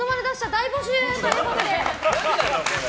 大募集！ということで。